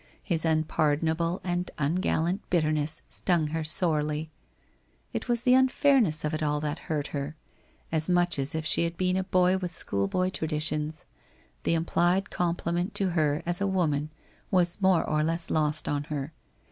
His unpardonable and ungallant bitterness stung her sorely. It was the un fairness of it all that hurt her, as much if she had been a boy with schoolboy traditions. The implied compliment to her as a woman was more or less lost on her.